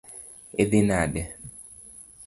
Idhi nade?